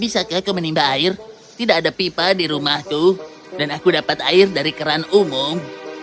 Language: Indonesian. bisakah kau menimba air tidak ada pipa di rumahku dan aku dapat air dari keran umum